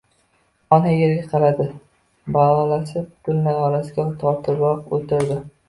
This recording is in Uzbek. Ona yerga qaradi. Bolasini butlari orasiga tortibroq o‘tirdi.